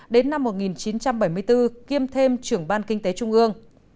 đến năm một nghìn chín trăm bảy mươi bốn kiêm thêm trưởng ban kinh tế trung ương